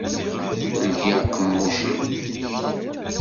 Ldi aqemmuc-im!